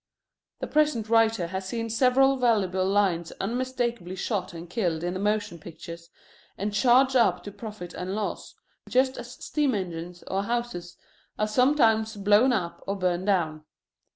The present writer has seen several valuable lions unmistakably shot and killed in the motion pictures, and charged up to profit and loss, just as steam engines or houses are sometimes blown up or burned down.